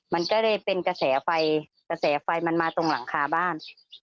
มันก็เลยเป็นกระแสไฟกระแสไฟมันมาตรงหลังคาบ้าน